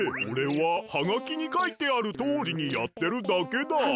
おれはハガキにかいてあるとおりにやってるだけだ！